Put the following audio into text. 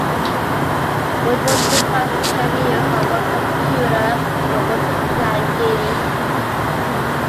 Multiple devices can be used on one computer for multiplayer gaming.